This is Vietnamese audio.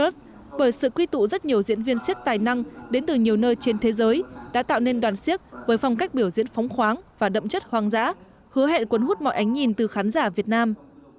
serge bởi sự quy tụ rất nhiều diễn viên siếc tài năng đến từ nhiều nơi trên thế giới đã tạo nên đoàn siếc với phong cách biểu diễn phóng khoáng và đậm chất hoang dã hứa hẹn quấn hút mọi ánh nhìn từ khán giả việt nam